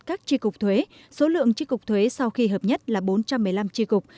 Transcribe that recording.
các tri cục thuế số lượng tri cục thuế sau khi hợp nhất là bốn trăm một mươi năm tri cục